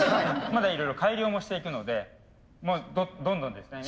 まだいろいろ改良もしていくのでどんどんですね。